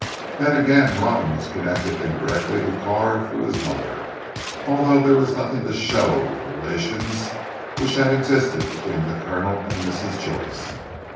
Then again, Robin was connected indirectly with Carr through his mother, although there was nothing to show the relations which had existed between the Colonel and Mrs. Joyce.